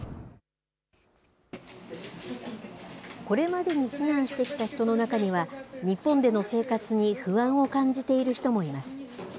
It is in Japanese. これまでに避難してきた人の中には、日本での生活に不安を感じている人もいます。